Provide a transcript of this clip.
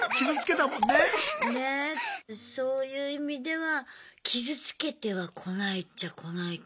そういう意味では傷つけてはこないっちゃこないか。